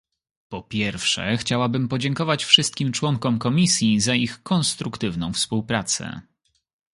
Po pierwsze chciałabym podziękować wszystkim członkom komisji za ich konstruktywną współpracę